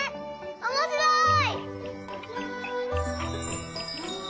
おもしろい！